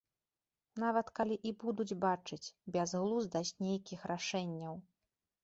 Нават калі і будуць бачыць бязглуздасць нейкіх рашэнняў.